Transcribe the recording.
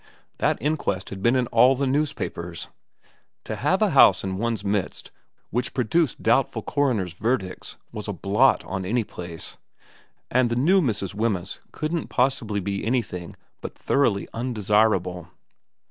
That inquest had been in all the newspapers. To have a house in one's midst which produced doubtful coroner's verdicts was a blot on any place, and the new Mrs. Wemyss couldn't possibly be anything but thoroughly undesirable.